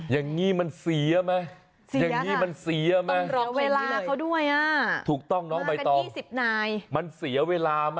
อย่างนี้มันเสียไหมอย่างนี้มันเสียไหมถูกต้องน้องใบต่อมันเสียเวลาไหม